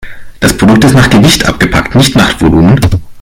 Das Produkt ist nach Gewicht abgepackt, nicht nach Volumen.